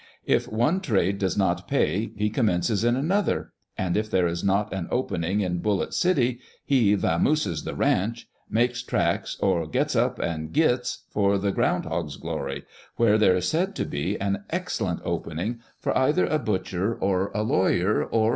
If one trade does not pay he commences in another, and if there is not an opening in Bullet City,' he " vamooses the ranch," " makes tracks," or "gets up and gits" for Ground Hogs Glory, where there is said to be an ex cellent opening for either a butcher, or a lawyer, Charles Dickens.